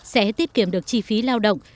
sẽ tiết kiệm được chi phí lao động